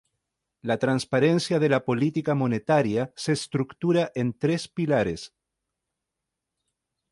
La transparencia de la política monetaria se estructura en tres pilares.